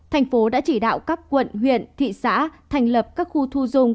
thành phố đã chỉ đạo các quận huyện thị xã thành lập các khu thu dung